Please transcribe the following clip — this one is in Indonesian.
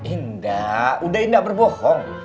indah udah indah berbohong